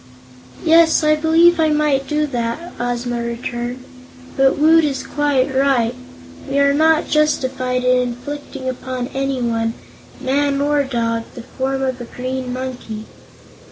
"Yes; I believe I might do that," Ozma returned; "but Woot is quite right; we are not justified in inflicting upon anyone man or dog the form of a green monkey.